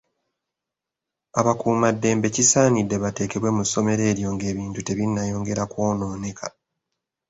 Abakuumaddembe kisaanidde bateekebwe mu ssomero eryo ng'ebintu tebinnayongera kw'onooneka.